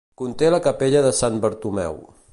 Conté la capella de Sant Bartomeu.